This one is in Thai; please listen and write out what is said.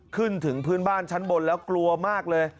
ถึงพื้นบ้านชั้นบนแล้วกลัวมากเลย